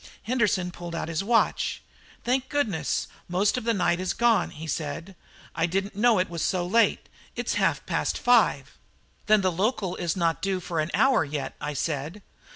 Henderson pulled out his watch. "Thank goodness, most of the night is gone," he said; "I didn't know it was so late, it is half past five." "Then the local is not due for an hour yet?" I said.